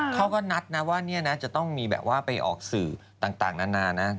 เขาก็นัดนะว่าจะต้องมีแบบว่าไปออกสื่อต่างนานานะ